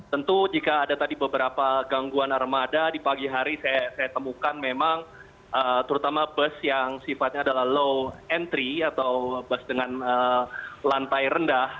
tentu jika ada tadi beberapa gangguan armada di pagi hari saya temukan memang terutama bus yang sifatnya adalah low entry atau bus dengan lantai rendah